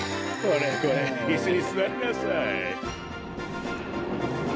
これこれいすにすわりなさい。